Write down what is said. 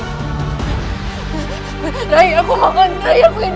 rai aku mohon rai aku ingin bertemu dengan putraku